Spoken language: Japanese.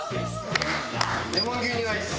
レモン牛乳アイス。